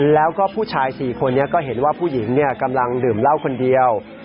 แล้วก็ผู้ชาย๔คนนี้ก็เห็นว่าผู้หญิงกำลังดื่มเหล้าคนเดียว